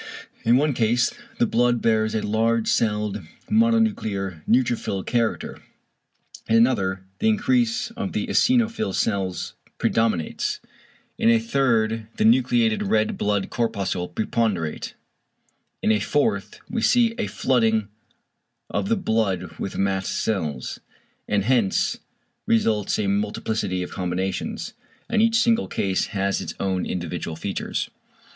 In one case the blood bears a large celled, mononuclear neutrophil character; in another the increase of the eosinophil cells predominates; in a third the nucleated red blood corpuscles preponderate; in a fourth we see a flooding of the blood with mast cells. And hence results a multiplicity of combinations, and each single case has its own individual features.